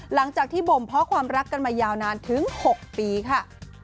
หลังจากที่บ่มเพาะความรักกันมายาวนานถึง๖ปีค่ะ